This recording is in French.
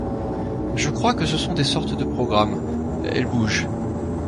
Je crois que ce sont des sortes de programmes. Elles bougent.